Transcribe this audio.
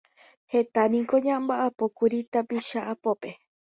Heta niko ñambaʼapókuri typycha apópe.